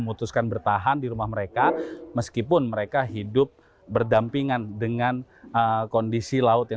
mutusin tetap di sini tapi kan kondisinya